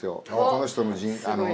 この人の。